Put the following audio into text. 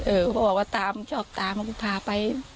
เออพอบอกว่าชอบตามก็พาไป